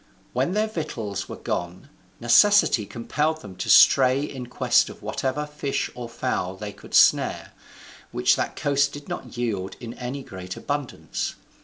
When their victuals were gone, necessity compelled them to stray in quest of whatever fish or fowl they could snare, which that coast did not yield in any great abundance.